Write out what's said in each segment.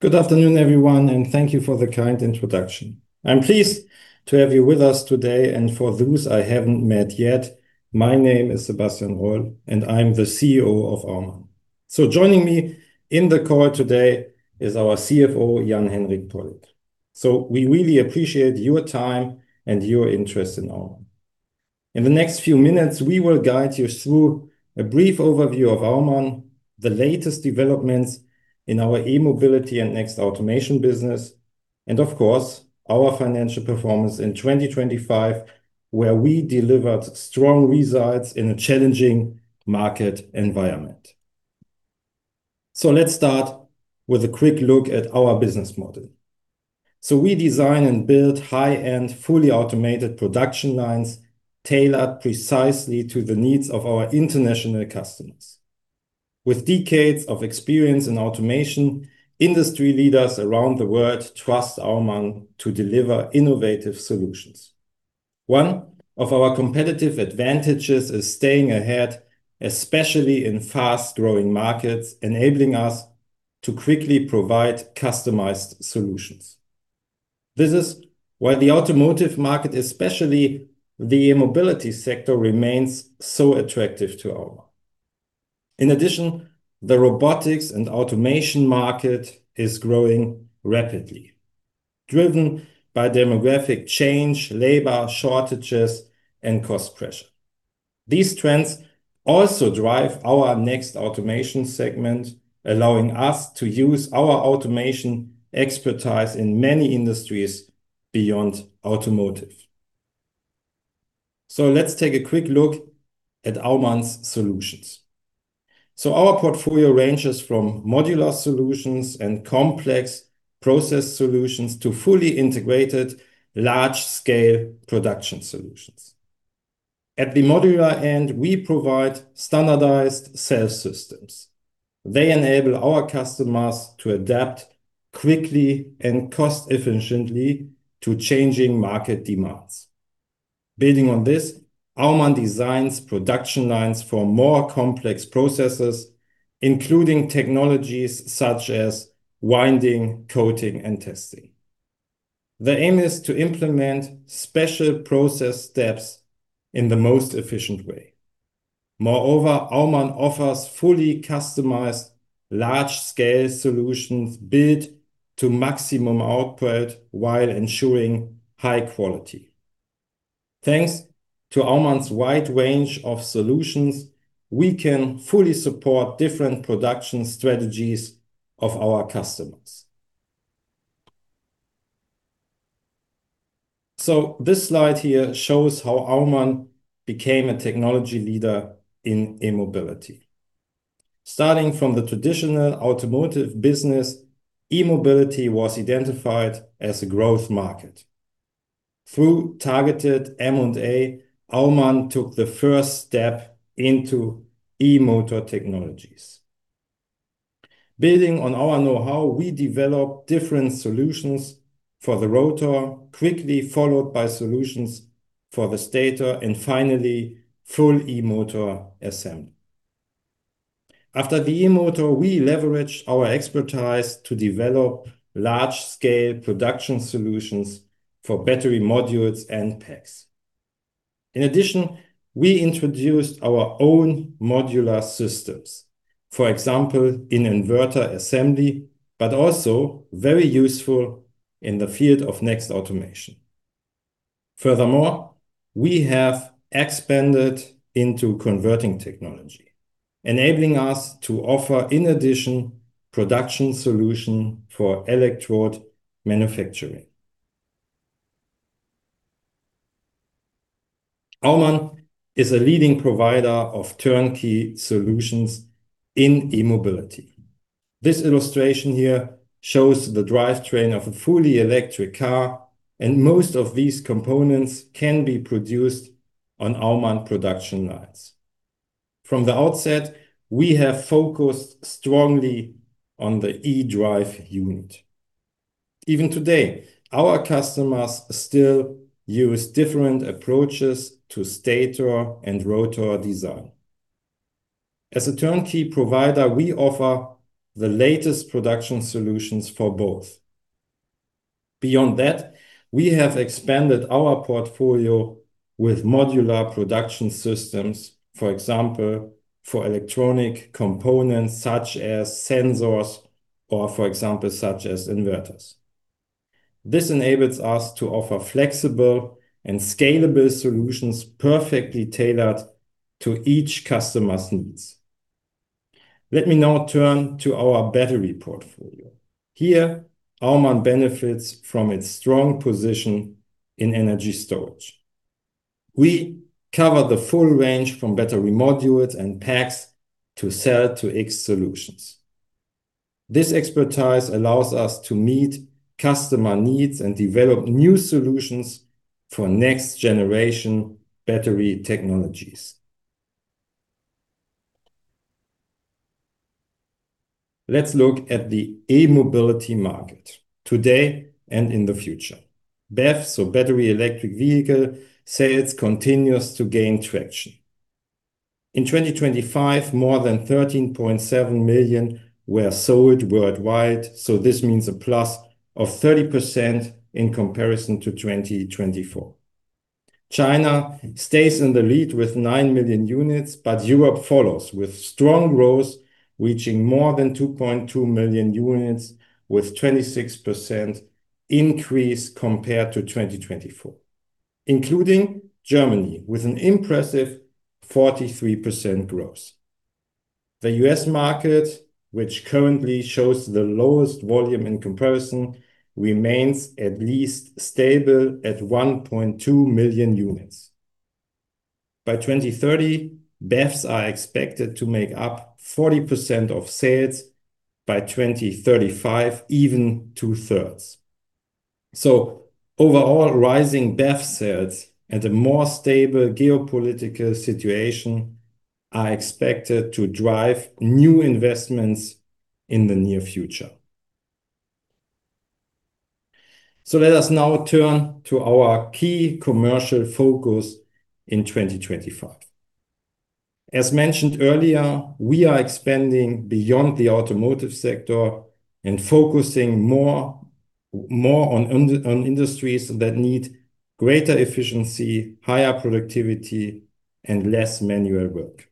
Good afternoon, everyone, and thank you for the kind introduction. I'm pleased to have you with us today, and for those I haven't met yet, my name is Sebastian Roll, and I'm the CEO of Aumann. Joining me in the call today is our CFO, Jan-Henrik Pollitt. We really appreciate your time and your interest in Aumann. In the next few minutes, we will guide you through a brief overview of Aumann, the latest developments in our E-Mobility and Next Automation business, and of course, our financial performance in 2025, where we delivered strong results in a challenging market environment. Let's start with a quick look at our business model. We design and build high-end, fully automated production lines tailored precisely to the needs of our international customers. With decades of experience in automation, industry leaders around the world trust Aumann to deliver innovative solutions. One of our competitive advantages is staying ahead, especially in fast-growing markets, enabling us to quickly provide customized solutions. This is why the automotive market, especially the E-Mobility sector, remains so attractive to Aumann. In addition, the robotics and automation market is growing rapidly, driven by demographic change, labor shortages, and cost pressure. These trends also drive our Next Automation segment, allowing us to use our automation expertise in many industries beyond automotive. Let's take a quick look at Aumann's solutions. Our portfolio ranges from modular solutions and complex process solutions to fully integrated large-scale production solutions. At the modular end, we provide standardized cell systems. They enable our customers to adapt quickly and cost efficiently to changing market demands. Building on this, Aumann designs production lines for more complex processes, including technologies such as winding, coating, and testing. The aim is to implement special process steps in the most efficient way. Moreover, Aumann offers fully customized large-scale solutions built to maximum output while ensuring high quality. Thanks to Aumann's wide range of solutions, we can fully support different production strategies of our customers. This slide here shows how Aumann became a technology leader in E-Mobility. Starting from the traditional automotive business, E-Mobility was identified as a growth market. Through targeted M&A, Aumann took the first step into e-motor technologies. Building on our know-how, we developed different solutions for the rotor, quickly followed by solutions for the stator, and finally, full e-motor assembly. After the e-motor, we leveraged our expertise to develop large-scale production solutions for battery modules and packs. In addition, we introduced our own modular systems, for example, in inverter assembly, but also very useful in the field of Next Automation. Furthermore, we have expanded into converting technology, enabling us to offer, in addition, production solution for electrode manufacturing. Aumann is a leading provider of turnkey solutions in E-Mobility. This illustration here shows the drivetrain of a fully electric car, and most of these components can be produced on Aumann production lines. From the outset, we have focused strongly on the e-drive unit. Even today, our customers still use different approaches to stator and rotor design. As a turnkey provider, we offer the latest production solutions for both. Beyond that, we have expanded our portfolio with modular production systems, for example, for electronic components such as sensors or inverters. This enables us to offer flexible and scalable solutions perfectly tailored to each customer's needs. Let me now turn to our battery portfolio. Here, Aumann benefits from its strong position in energy storage. We cover the full range from battery modules and packs to cell-to-X solutions. This expertise allows us to meet customer needs and develop new solutions for next-generation battery technologies. Let's look at the E-Mobility market today and in the future. BEV, so Battery Electric Vehicle, sales continues to gain traction. In 2025, more than 13.7 million were sold worldwide. This means +30% in comparison to 2024. China stays in the lead with 9 million units, but Europe follows with strong growth, reaching more than 2.2 million units with 26% increase compared to 2024, including Germany, with an impressive 43% growth. The U.S. market, which currently shows the lowest volume in comparison, remains at least stable at 1.2 million units. By 2030, BEVs are expected to make up 40% of sales, by 2035, even 2/3. Overall, rising BEV sales and a more stable geopolitical situation are expected to drive new investments in the near future. Let us now turn to our key commercial focus in 2025. As mentioned earlier, we are expanding beyond the automotive sector and focusing more on industries that need greater efficiency, higher productivity, and less manual work.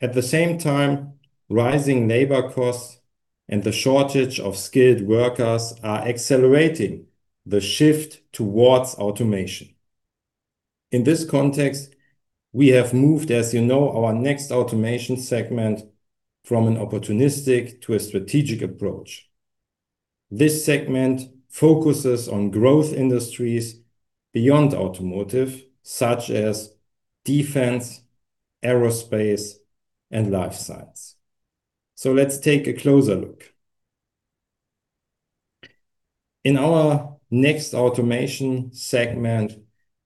At the same time, rising labor costs and the shortage of skilled workers are accelerating the shift towards automation. In this context, we have moved, as you know, our Next Automation segment from an opportunistic to a strategic approach. This segment focuses on growth industries beyond automotive, such as Defense, Aerospace, and Life Science. Let's take a closer look. In our Next Automation segment,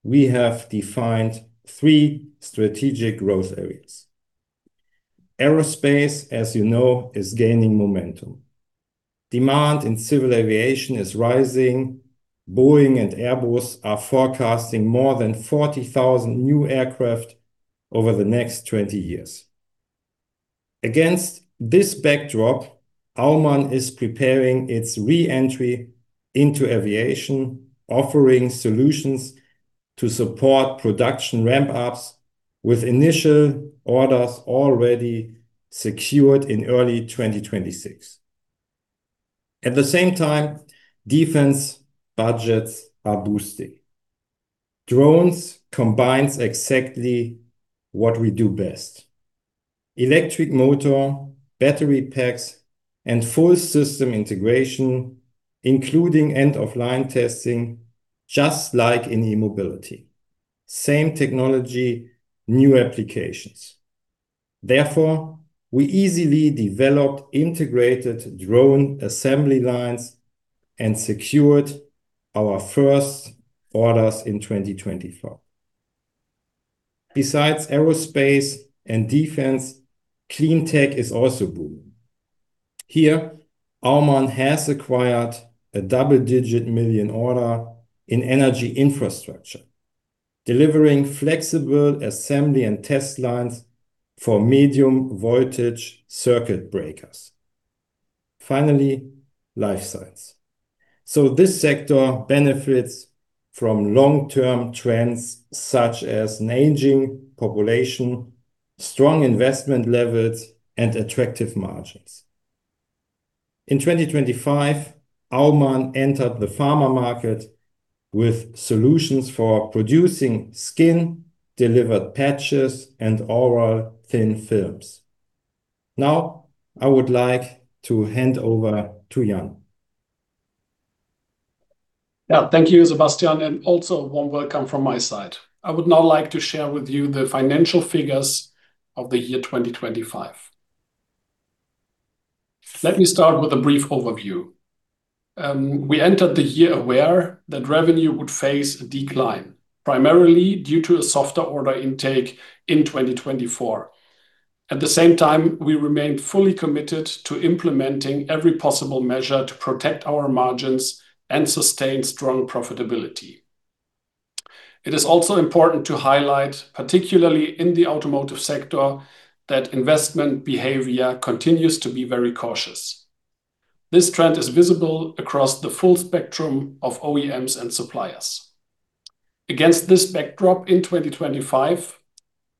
we have defined three strategic growth areas. Aerospace, as you know, is gaining momentum. Demand in civil aviation is rising. Boeing and Airbus are forecasting more than 40,000 new aircraft over the next 20 years. Against this backdrop, Aumann is preparing its re-entry into aviation, offering solutions to support production ramp-ups, with initial orders already secured in early 2026. At the same time, defense budgets are boosting. Drones combines exactly what we do best. Electric motor, battery packs, and full system integration, including end-of-line testing, just like in E-Mobility. Same technology, new applications. Therefore, we easily developed integrated drone assembly lines and secured our first orders in 2024. Besides Aerospace and Defense, clean tech is also booming. Here, Aumann has acquired a double-digit million order in energy infrastructure, delivering flexible assembly and test lines for medium voltage circuit breakers. Finally, life science. This sector benefits from long-term trends such as an aging population, strong investment levels, and attractive margins. In 2025, Aumann entered the pharma market with solutions for producing skin-delivered patches, and oral thin films. Now, I would like to hand over to Jan-Henrik. Yeah, thank you, Sebastian, and also a warm welcome from my side. I would now like to share with you the financial figures of the year 2025. Let me start with a brief overview. We entered the year aware that revenue would face a decline, primarily due to a softer order intake in 2024. At the same time, we remained fully committed to implementing every possible measure to protect our margins and sustain strong profitability. It is also important to highlight, particularly in the automotive sector, that investment behavior continues to be very cautious. This trend is visible across the full spectrum of OEMs and suppliers. Against this backdrop in 2025,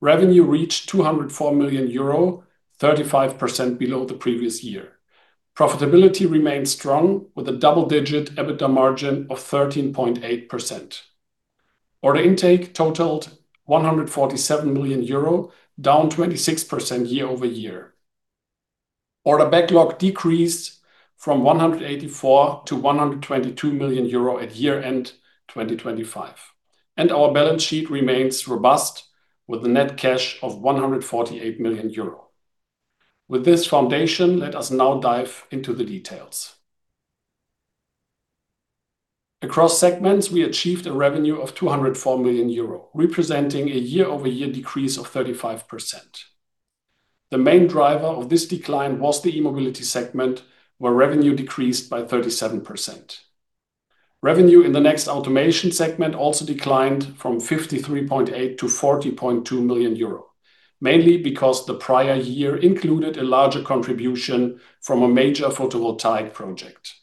revenue reached 204 million euro, 35% below the previous year. Profitability remained strong with a double-digit EBITDA margin of 13.8%. Order intake totaled 147 million euro, down 26% year-over-year. Order backlog decreased from 184 million to 122 million euro at year-end 2025. Our balance sheet remains robust with net cash of 148 million euro. With this foundation, let us now dive into the details. Across segments, we achieved revenue of 204 million euro, representing a year-over-year decrease of 35%. The main driver of this decline was the E-Mobility segment, where revenue decreased by 37%. Revenue in the Next Automation segment also declined from 53.8 million to 40.2 million euro, mainly because the prior year included a larger contribution from a major photovoltaic project.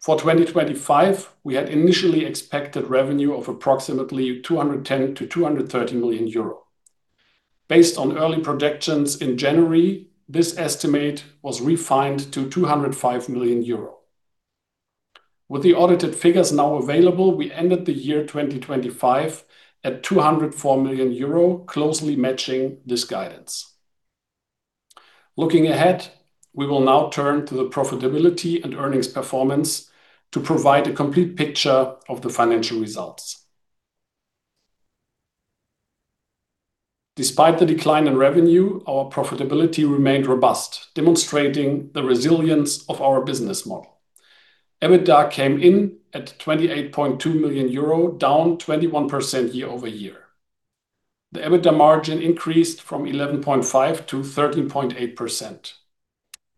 For 2025, we had initially expected revenue of approximately 210 million-230 million euro. Based on early projections in January, this estimate was refined to 205 million euro. With the audited figures now available, we ended the year 2025 at 204 million euro, closely matching this guidance. Looking ahead, we will now turn to the profitability and earnings performance to provide a complete picture of the financial results. Despite the decline in revenue, our profitability remained robust, demonstrating the resilience of our business model. EBITDA came in at 28.2 million euro, down 21% year-over-year. The EBITDA margin increased from 11.5%-13.8%.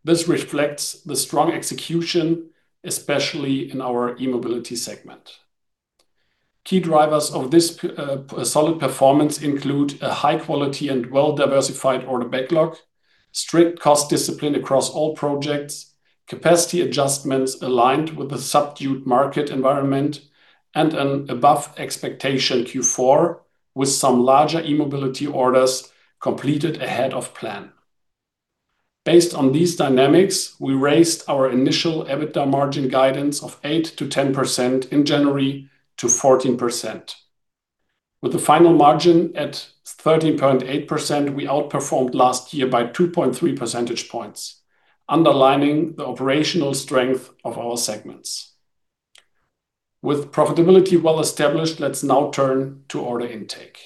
This reflects the strong execution, especially in our E-Mobility segment. Key drivers of this solid performance include a high quality and well-diversified order backlog, strict cost discipline across all projects, capacity adjustments aligned with the subdued market environment, and an above expectation Q4, with some larger E-Mobility orders completed ahead of plan. Based on these dynamics, we raised our initial EBITDA margin guidance of 8%-10% in January to 14%. With the final margin at 13.8%, we outperformed last year by 2.3 percentage points, underlining the operational strength of our segments. With profitability well established, let's now turn to order intake.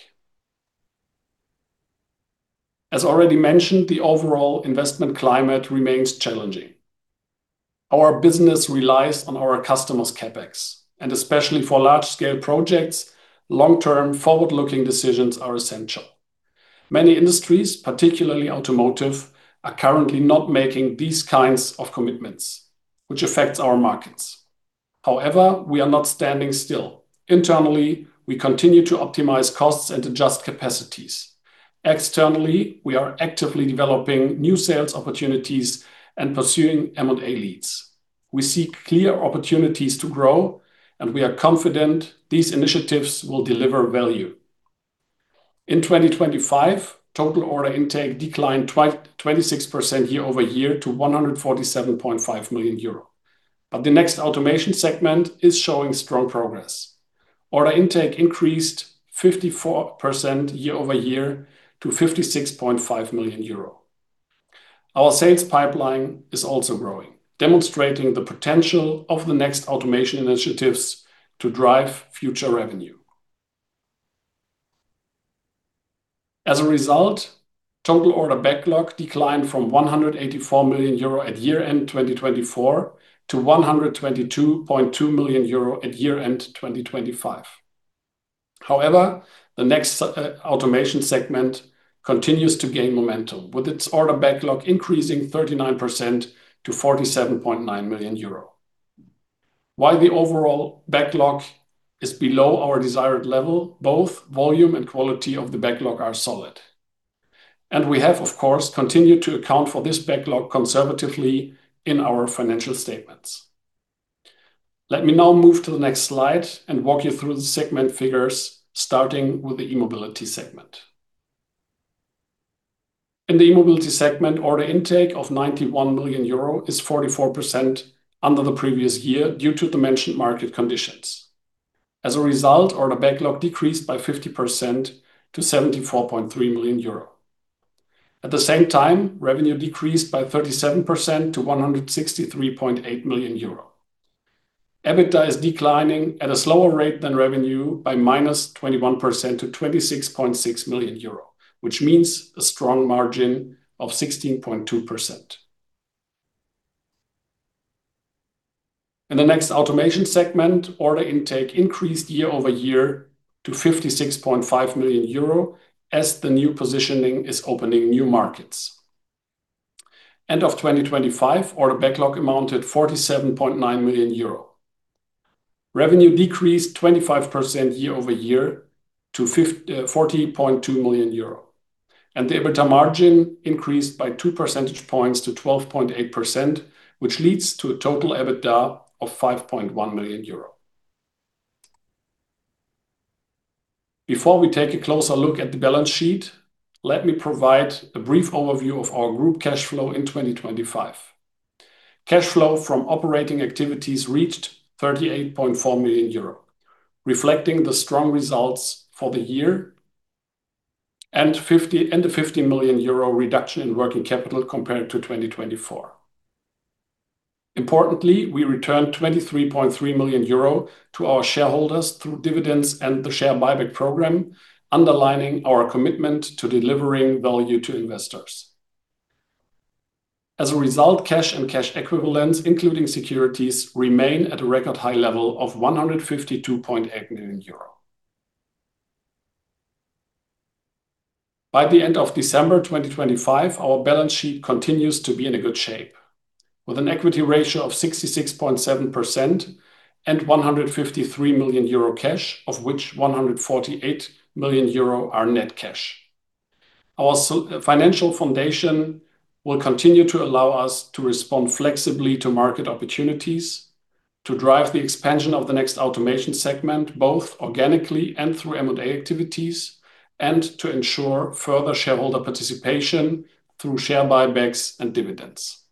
As already mentioned, the overall investment climate remains challenging. Our business relies on our customers' CapEx, and especially for large scale projects, long-term, forward-looking decisions are essential. Many industries, particularly automotive, are currently not making these kinds of commitments, which affects our markets. However, we are not standing still. Internally, we continue to optimize costs and adjust capacities. Externally, we are actively developing new sales opportunities and pursuing M&A leads. We seek clear opportunities to grow, and we are confident these initiatives will deliver value. In 2025, total order intake declined 26% year-over-year to 147.5 million euro. The Next Automation segment is showing strong progress. Order intake increased 54% year-over-year to 56.5 million euro. Our sales pipeline is also growing, demonstrating the potential of the Next Automation initiatives to drive future revenue. As a result, total order backlog declined from 184 million euro at year-end 2024 to 122.2 million euro at year-end 2025. However, the Next Automation segment continues to gain momentum, with its order backlog increasing 39% to 47.9 million euro. While the overall backlog is below our desired level, both volume and quality of the backlog are solid. We have, of course, continued to account for this backlog conservatively in our financial statements. Let me now move to the next slide and walk you through the segment figures, starting with the E-Mobility segment. In the E-Mobility segment, order intake of 91 million euro is 44% under the previous year due to the mentioned market conditions. As a result, order backlog decreased by 50% to 74.3 million euro. At the same time, revenue decreased by 37% to 163.8 million euro. EBITDA is declining at a slower rate than revenue by -21% to 26.6 million euro, which means a strong margin of 16.2%. In the Next Automation segment, order intake increased year-over-year to 56.5 million euro as the new positioning is opening new markets. End of 2025, order backlog amounted 47.9 million euro. Revenue decreased 25% year-over-year to 40.2 million euro, and the EBITDA margin increased by two percentage points to 12.8%, which leads to a total EBITDA of 5.1 million euro. Before we take a closer look at the balance sheet, let me provide a brief overview of our group cash flow in 2025. Cash flow from operating activities reached 38.4 million euro, reflecting the strong results for the year and 50 million euro reduction in working capital compared to 2024. Importantly, we returned 23.3 million euro to our shareholders through dividends and the share buyback program, underlining our commitment to delivering value to investors. As a result, cash and cash equivalents, including securities, remain at a record high level of 152.8 million euro. By the end of December 2025, our balance sheet continues to be in a good shape, with an equity ratio of 66.7% and 153 million euro cash, of which 148 million euro are net cash. Our financial foundation will continue to allow us to respond flexibly to market opportunities, to drive the expansion of the Next Automation segment, both organically and through M&A activities, and to ensure further shareholder participation through share buybacks and dividends.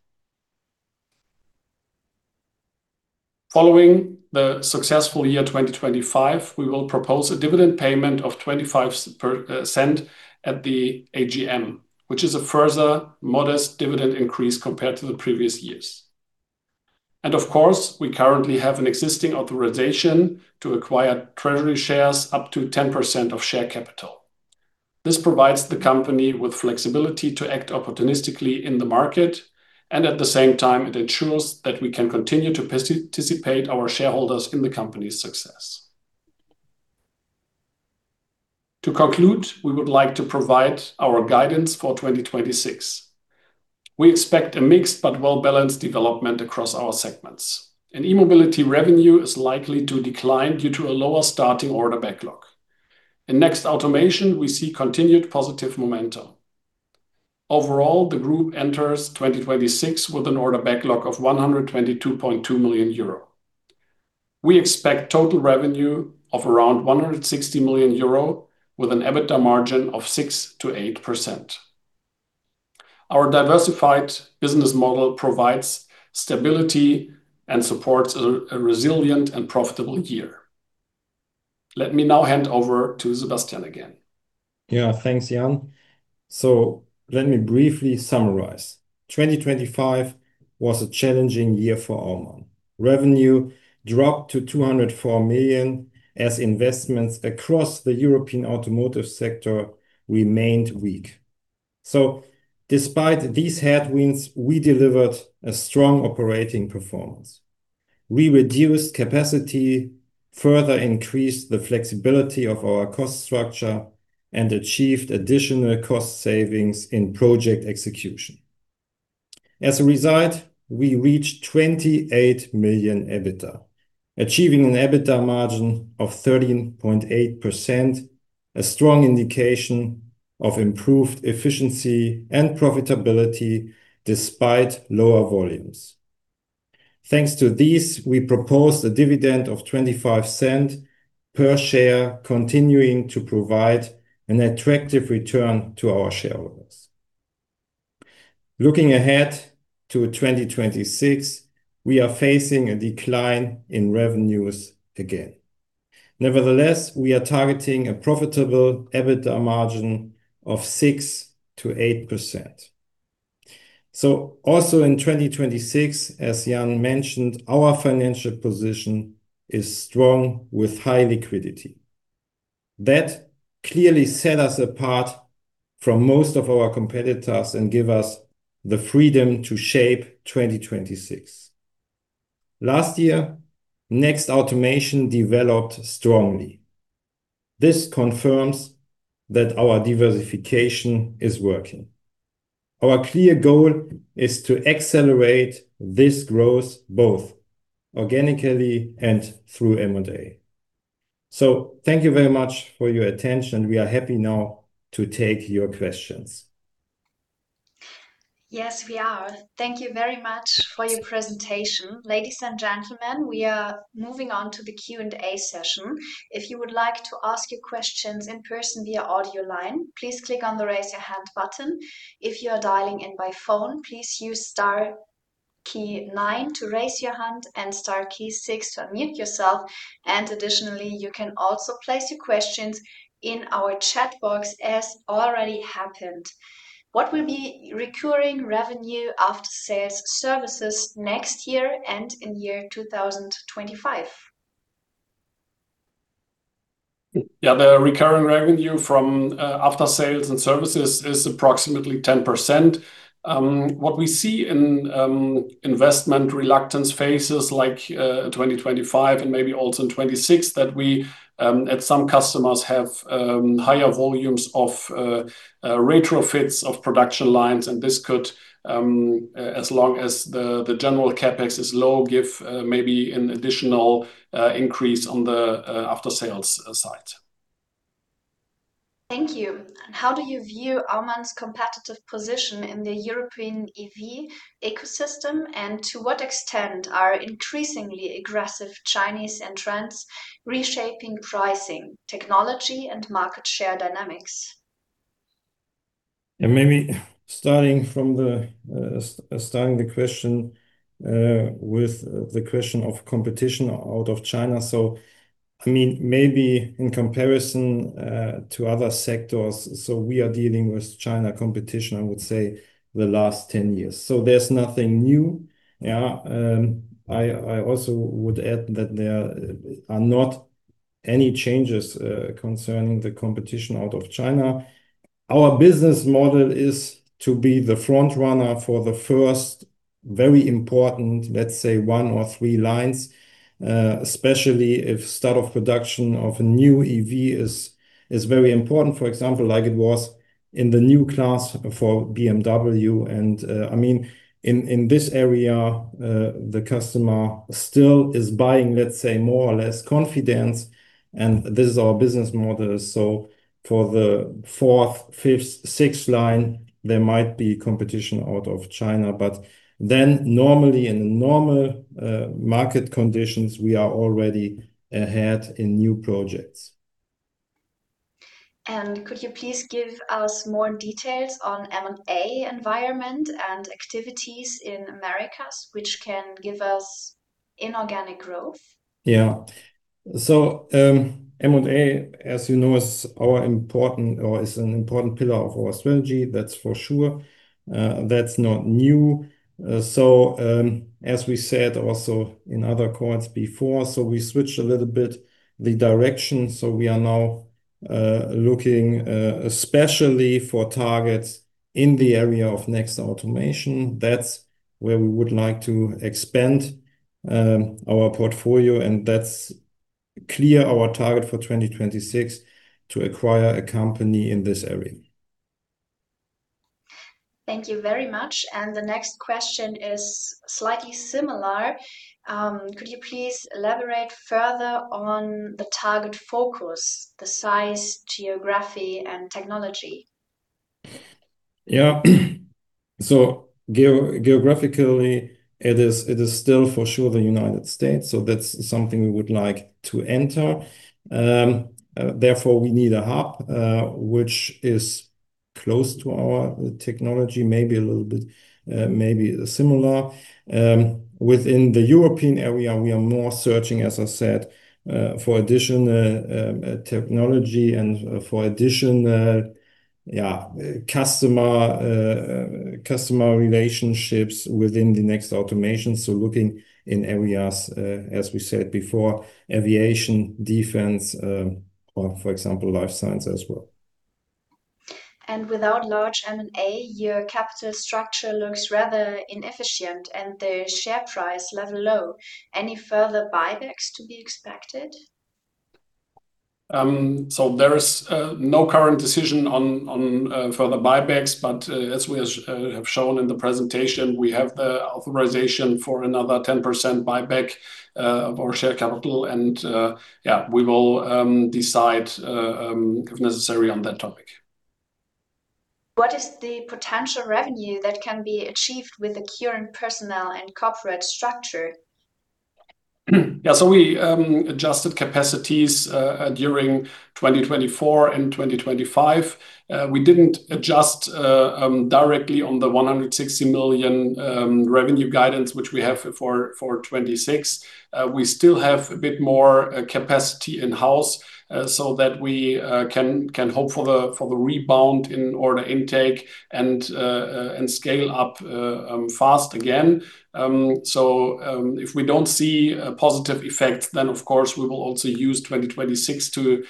Following the successful year 2025, we will propose a dividend payment of 25% at the AGM, which is a further modest dividend increase compared to the previous years. Of course, we currently have an existing authorization to acquire treasury shares up to 10% of share capital. This provides the company with flexibility to act opportunistically in the market, and at the same time, it ensures that we can continue to participate our shareholders in the company's success. To conclude, we would like to provide our guidance for 2026. We expect a mixed but well-balanced development across our segments. In E-Mobility revenue is likely to decline due to a lower starting order backlog. In Next Automation, we see continued positive momentum. Overall, the group enters 2026 with an order backlog of 122.2 million euro. We expect total revenue of around 160 million euro with an EBITDA margin of 6%-8%. Our diversified business model provides stability and supports a resilient and profitable year. Let me now hand over to Sebastian again. Yeah, thanks, Jan. Let me briefly summarize. 2025 was a challenging year for Aumann. Revenue dropped to 204 million as investments across the European automotive sector remained weak. Despite these headwinds, we delivered a strong operating performance. We reduced capacity, further increased the flexibility of our cost structure, and achieved additional cost savings in project execution. As a result, we reached 28 million EBITDA, achieving an EBITDA margin of 13.8%, a strong indication of improved efficiency and profitability despite lower volumes. Thanks to this, we proposed a dividend of 0.25 per share, continuing to provide an attractive return to our shareholders. Looking ahead to 2026, we are facing a decline in revenues again. Nevertheless, we are targeting a profitable EBITDA margin of 6%-8%. Also in 2026, as Jan mentioned, our financial position is strong with high liquidity. That clearly set us apart from most of our competitors and give us the freedom to shape 2026. Last year, Next Automation developed strongly. This confirms that our diversification is working. Our clear goal is to accelerate this growth both organically and through M&A. Thank you very much for your attention. We are happy now to take your questions. Yes, we are. Thank you very much for your presentation. Ladies and gentlemen, we are moving on to the Q&A session. If you would like to ask your questions in person via audio line, please click on the Raise Your Hand button. If you are dialing in by phone, please use star key nine to raise your hand and star key six to unmute yourself. Additionally, you can also place your questions in our chat box as already happened. "What will be recurring revenue after sales services next year and in year 2025?" Yeah, the recurring revenue from after sales and services is approximately 10%. What we see in investment reluctance phases like 2025 and maybe also in 2026, that we at some customers have higher volumes of retrofits of production lines. This could, as long as the general CapEx is low, give maybe an additional increase on the after sales side. Thank you. How do you view Aumann's competitive position in the European EV ecosystem? To what extent are increasingly aggressive Chinese entrants reshaping pricing, technology and market share dynamics? Maybe starting the question with the question of competition out of China. I mean, maybe in comparison to other sectors. We are dealing with China competition, I would say, the last 10 years, so there's nothing new. Yeah. I also would add that there are not any changes concerning the competition out of China. Our business model is to be the front runner for the first. Very important, let's say one or three lines, especially if start of production of a new EV is very important. For example, like it was in the Neue Klasse for BMW. I mean, in this area, the customer still is buying, let's say, more or less confidence, and this is our business model. For the fourth, fifth, sixth line, there might be competition out of China. Normally, in normal market conditions, we are already ahead in new projects. "Could you please give us more details on M&A environment and activities in Americas, which can give us inorganic growth?" Yeah. M&A, as you know, is an important pillar of our strategy, that's for sure. That's not new. As we said also in other calls before, we switched a little bit the direction. We are now looking especially for targets in the area of Next Automation. That's where we would like to expand our portfolio, and that's clear our target for 2026 to acquire a company in this area. Thank you very much. The next question is slightly similar. "Could you please elaborate further on the target focus, the size, geography and technology?" Yeah, geographically it is still for sure the United States, that's something we would like to enter. Therefore, we need a hub which is close to our technology, maybe a little bit, maybe similar. Within the European area, we are more searching, as I said, for additional technology and for additional customer relationships within the Next Automation. Looking in areas, as we said before, Aviation, Defense, or for example, Life Science as well. "Without large M&A, your capital structure looks rather inefficient and the share price level low. Any further buybacks to be expected?" There is no current decision on further buybacks. As we have shown in the presentation, we have the authorization for another 10% buyback of our share capital. Yeah, we will decide if necessary on that topic. "What is the potential revenue that can be achieved with the current personnel and corporate structure?" We adjusted capacities during 2024 and 2025. We didn't adjust directly on the 160 million revenue guidance which we have for 2026. We still have a bit more capacity in-house, so that we can hope for the rebound in order intake and scale up fast again. If we don't see a positive effect, then of course we will also use 2026 to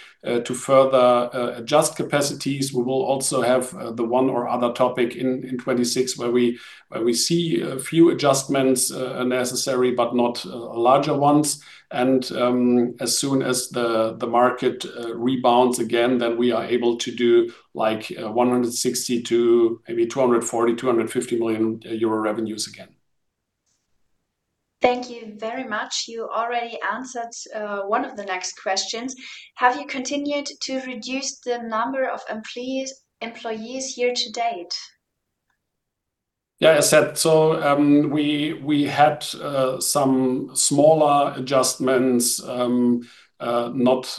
further adjust capacities. We will also have the one or other topic in 2026 where we see a few adjustments necessary, but not larger ones. As soon as the market rebounds again, then we are able to do like 160 million to maybe 240 million-250 million euro revenues again. Thank you very much. You already answered one of the next questions. "Have you continued to reduce the number of employees year-to-date?" Yeah. As said, we had some smaller adjustments, not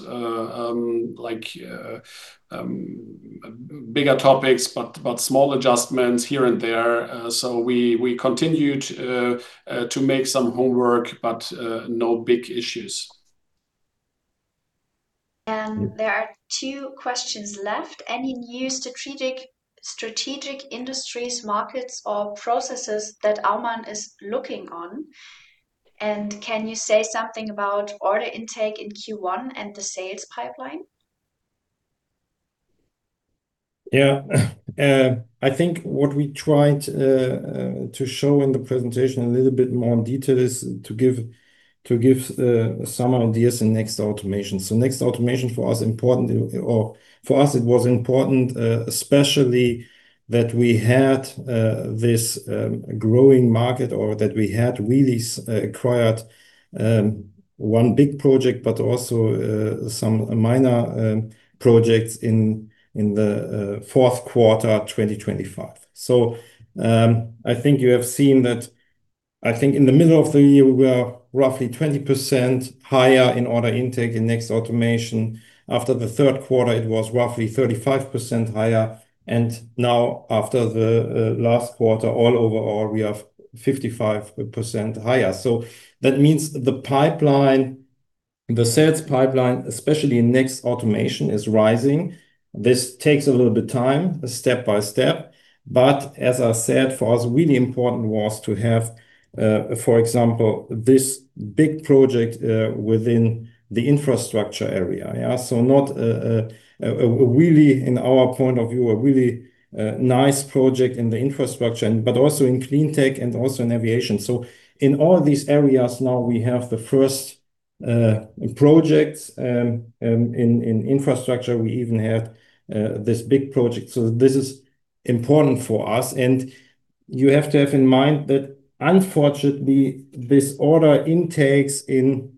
like bigger topics, but small adjustments here and there. We continued to make some homework, but no big issues. There are two questions left. Any new strategic industries, markets or processes that Aumann is looking at? Can you say something about order intake in Q1 and the sales pipeline? Yeah, I think what we tried to show in the presentation a little bit more in detail is to give some ideas in Next Automation. Next Automation for us important for us it was important, especially that we had this growing market or that we had really acquired one big project but also some minor projects in the fourth quarter 2025. I think you have seen that. I think in the middle of the year we were roughly 20% higher in order intake in Next Automation. After the third quarter it was roughly 35% higher. Now after the last quarter, overall we are 55% higher. That means the pipeline, the sales pipeline, especially in Next Automation, is rising. This takes a little bit time, step by step. As I said, for us really important was to have, for example, this big project within the infrastructure area. Not really in our point of view, a really nice project in the infrastructure and, but also in clean tech and also in aviation. In all these areas now we have the first projects. In infrastructure, we even have this big project. This is important for us. You have to have in mind that unfortunately this order intakes in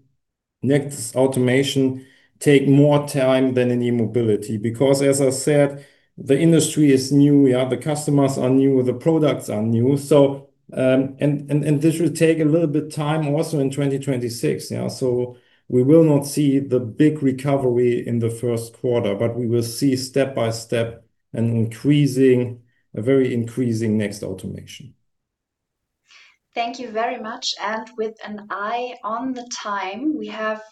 Next Automation take more time than in E-Mobility, because as I said, the industry is new. We have the customers are new, the products are new. This will take a little bit time also in 2026 now. We will not see the big recovery in the first quarter, but we will see step by step a very increasing Next Automation. Thank you very much. With an eye on the time, we have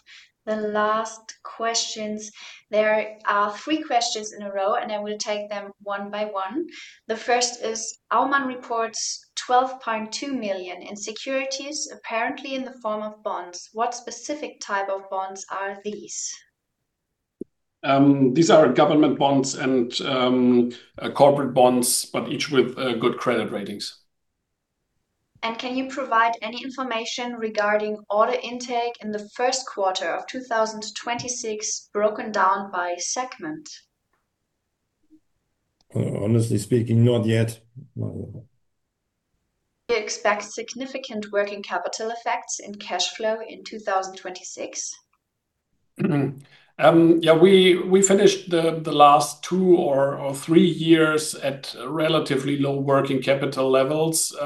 the last questions. There are three questions in a row, and I will take them one by one. The first is, "Aumann reports 12.2 million in securities, apparently in the form of bonds. What specific type of bonds are these?" These are government bonds and corporate bonds, but each with good credit ratings. "Can you provide any information regarding order intake in the first quarter of 2026, broken down by segment?" Honestly speaking, not yet. "Do you expect significant working capital effects in cash flow in 2026?" We finished the last two or three years at relatively low working capital levels.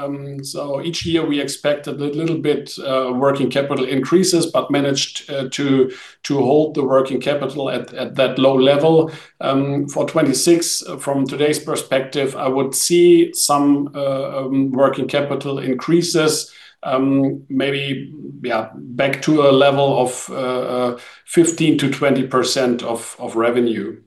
Each year we expected a little bit working capital increases, but managed to hold the working capital at that low level. For 2026, from today's perspective, I would see some working capital increases, maybe back to a level of 15%-20% of revenue.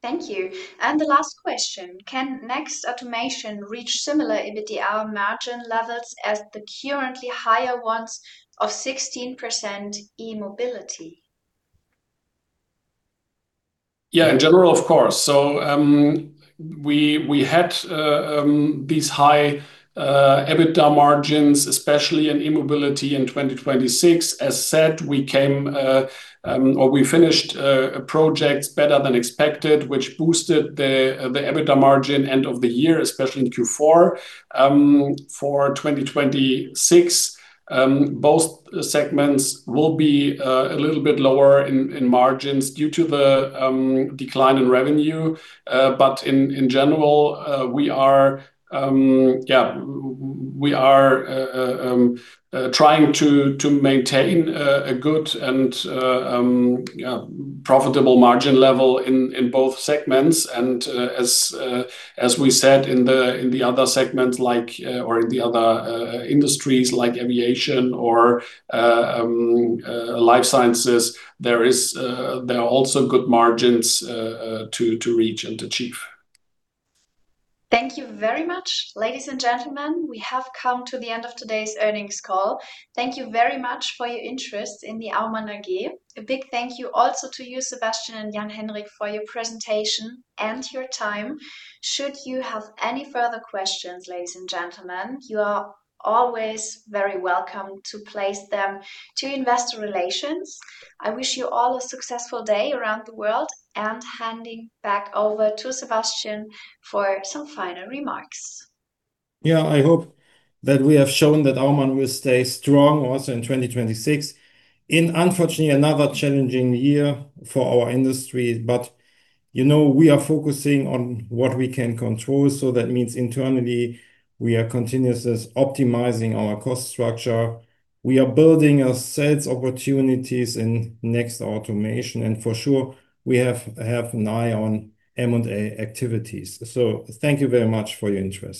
Thank you. The last question, "Can Next Automation reach similar EBITDA margin levels as the currently higher ones of 16% E-Mobility?" In general, of course, we had these high EBITDA margins, especially in E-Mobility in 2026. As said, we finished projects better than expected, which boosted the EBITDA margin at the end of the year, especially in Q4. For 2026, both segments will be a little bit lower in margins due to the decline in revenue. In general, we are trying to maintain a good and profitable margin level in both segments. As we said in the other industries like Aviation or Life Sciences, there are also good margins to reach and to achieve. Thank you very much. Ladies and gentlemen, we have come to the end of today's earnings call. Thank you very much for your interest in the Aumann AG. A big thank you also to you, Sebastian and Jan-Henrik, for your presentation and your time. Should you have any further questions, ladies and gentlemen, you are always very welcome to place them to investor relations. I wish you all a successful day around the world, and handing back over to Sebastian for some final remarks. Yeah, I hope that we have shown that Aumann will stay strong also in 2026, in unfortunately another challenging year for our industry. You know, we are focusing on what we can control, so that means internally we are continuously optimizing our cost structure. We are building our sales opportunities in Next Automation, and for sure we have an eye on M&A activities. Thank you very much for your interest.